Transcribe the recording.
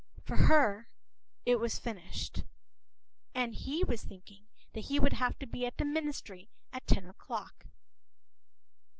For her it was finished. And he was thinking that he would have to be at the Ministry at ten o’clock.